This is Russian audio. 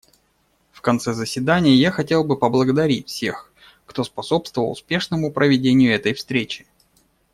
В конце заседания я хотел бы поблагодарить всех, кто способствовал успешному проведению этой встречи.